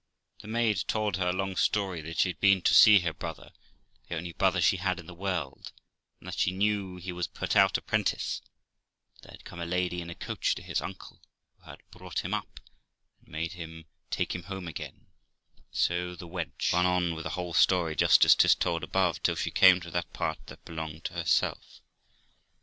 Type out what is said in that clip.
The maid told her a long story, that she had been to see her brother, the only brother she had in the world, and that she knew he was put out apprentice to a ; but there had come a lady in a coach to his uncle , who had brought him up, and made him take him home again; and so the wench run on with the whole story just as 'tis told above, till she came to that part that belonged to herself.